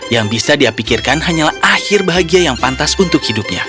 yang bisa dia pikirkan hanyalah akhir bahagia yang pantas untuk hidupnya